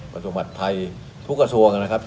กระทรวงอัตภัยทุกกระทรวงนะครับ